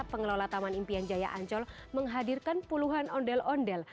pengelola taman impian jaya ancol menghadirkan puluhan ondel ondel